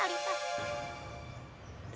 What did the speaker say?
saya nggak bisa tinggal di rumah ini